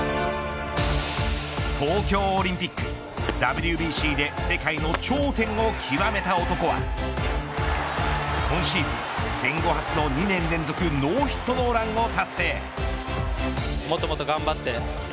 東京オリンピックＷＢＣで世界の頂点を極めた男は今シーズン、戦後初の、２年連続ノーヒットノーランを達成。